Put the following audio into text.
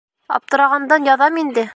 Аптырағандан яҙам инде.